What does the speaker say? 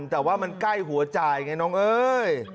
แต่ว่ามันใกล้หัวจ่ายไงน้องเอ้ย